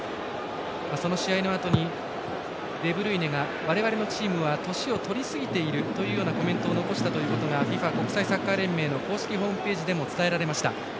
その試合のあとに、デブルイネがわれわれのチームは年をとりすぎているというコメントを残したことがＦＩＦＡ＝国際サッカー連盟の公式ホームページでも伝えられました。